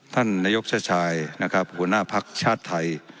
ท่านนโยคชชายหัวหน้าภักดิ์ชาติไทย